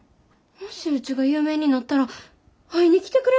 もしうちが有名になったら会いに来てくれるかも分かれへん。